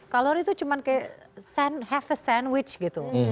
kalori itu cuma kayak have a sandwich gitu